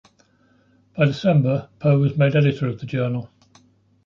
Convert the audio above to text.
By December, Poe was made editor of the journal.